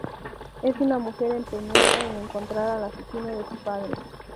Es una mujer empeñada en encontrar al asesino de su padre.